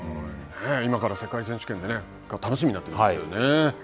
今から世界選手権が楽しみになりますよね。